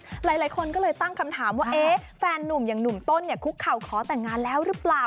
หลายคนก็เลยตั้งคำถามว่าเอ๊ะแฟนนุ่มอย่างหนุ่มต้นเนี่ยคุกเข่าขอแต่งงานแล้วหรือเปล่า